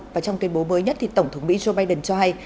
và trong tuyên bố mới nhất thì tổng thống mỹ joe biden cho hay